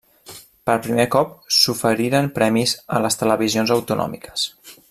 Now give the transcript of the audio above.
Per primer cop s'oferiren premis a les televisions autonòmiques.